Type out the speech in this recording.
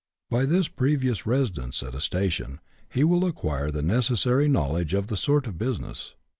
By this previous resi dence at a station he will acquire the necessary knowledge of the sort of business.